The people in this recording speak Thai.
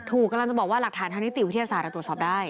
กำลังจะบอกว่าหลักฐานทางนิติวิทยาศาสตร์ตรวจสอบได้